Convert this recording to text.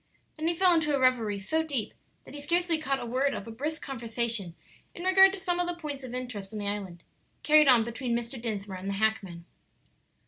Then he fell into a revery so deep that he scarcely caught a word of a brisk conversation, in regard to some of the points of interest on the island, carried on between Mr. Dinsmore and the hackman.